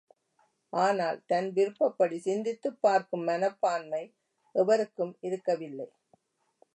ஆனால் தன்விருப்பப்படி சிந்தித்துப் பார்க்கும் மனப்பான்மை எவருக்கும் இருக்கவில்லை.